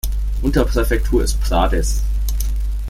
Unterpräfektur ist Prades.